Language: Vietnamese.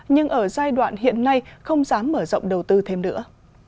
nhưng ở giai đoạn hiện nay không dám mở rộng đầu tư thêm nữa